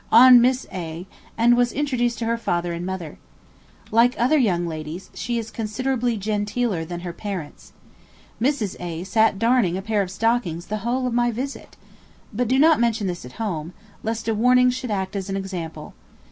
on Miss A. and was introduced to her father and mother. Like other young ladies she is considerably genteeler than her parents. Mrs. A. sat darning a pair of stockings the whole of my visit. But do not mention this at home, lest a warning should act as an example.